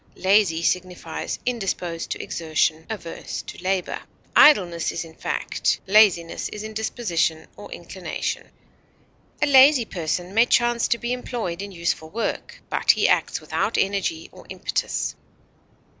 Lazy signifies indisposed to exertion, averse to labor; idleness is in fact; laziness is in disposition or inclination. A lazy person may chance to be employed in useful work, but he acts without energy or impetus.